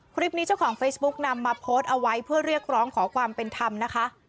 คลิปนี้เจ้าของเฟซบุ๊กนำมาโพสต์เอาไว้เพื่อเรียกร้องขอความเป็นธรรมนะคะ